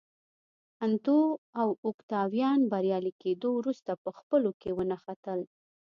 انتو او اوکتاویان بریالي کېدو وروسته په خپلو کې ونښتل